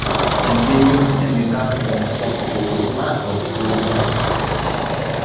Engeri y’okutegekamu omusomo ku kulima obutunda.